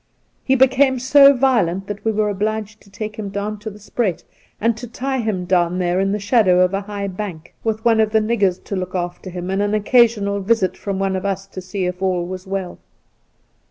He became so violent, that we were obliged to take him down to the spruit, and to tie him down there in the shadow of a high bank, with one of the niggers to look after him, and an occasional visit from one of us to see if all was well.